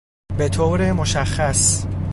بطور مشخص